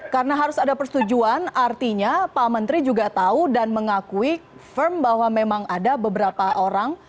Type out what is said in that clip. karena harus ada persetujuan artinya pak menteri juga tahu dan mengakui firm bahwa memang ada beberapa orang